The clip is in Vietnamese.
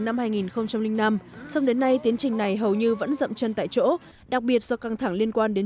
năm hai nghìn năm song đến nay tiến trình này hầu như vẫn rậm chân tại chỗ đặc biệt do căng thẳng liên quan đến